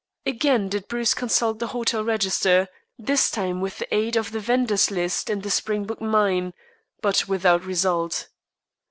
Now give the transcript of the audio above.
Again did Bruce consult the hotel register, this time with the aid of the vendors' list in the Springbok Mine, but without result.